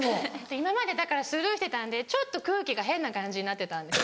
今までスルーしてたんでちょっと空気が変な感じになってたんです。